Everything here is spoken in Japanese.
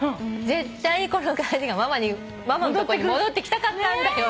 「絶対このカーディガンママのとこに戻ってきたかったんだよ」